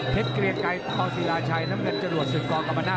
เพชรเกลียงไก่ท้อศิราชัยน้ำเง็ดจรวดสุริย์กรกรรมนาถ